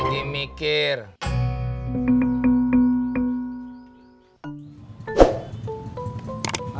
gue mau nikah sama bapak